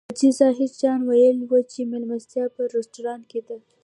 حاجي ظاهر جان ویلي و چې مېلمستیا په رستورانت کې ده.